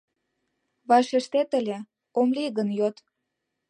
Вашештет ыле, ом лий гын йот